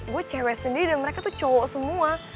gue cewek sendiri dan mereka tuh cowok semua